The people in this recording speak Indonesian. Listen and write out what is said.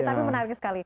tapi menarik sekali